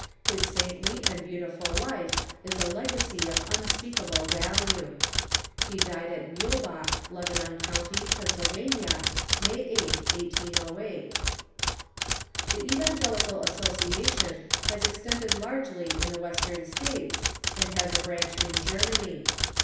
His saintly and beautiful life is a legacy of unspeakable value. He died at Miililbach, Lebanon County, Pennsylvania, May 8th, 1808. The Evangelical Association has extended largely in the Western States, and lias a branch in Germany.